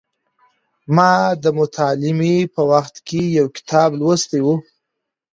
ما د متعلمۍ په وخت کې یو کتاب لوستی و.